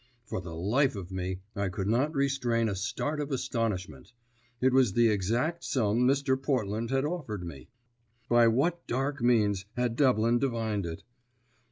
For the life of me I could not restrain a start of astonishment. It was the exact sum Mr. Portland had offered me. By what dark means had Devlin divined it?